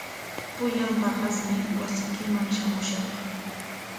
Pullan paqasmi wasiykiman shamushaq.